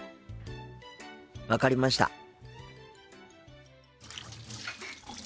分かりました。